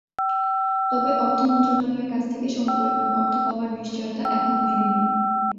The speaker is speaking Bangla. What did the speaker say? তবে অর্থ মন্ত্রণালয়ের কাছ থেকে সমপরিমাণ অর্থ পাওয়ার নিশ্চয়তা এখনো মেলেনি।